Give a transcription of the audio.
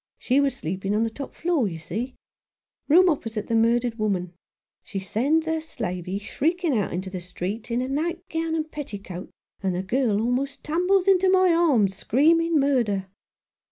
She was sleeping on the top floor, you see — room opposite the murdered woman. She sends her slavey shrieking out into the street, in a night gown and petticoat, and the girl almost tumbles into my arms, screaming murder."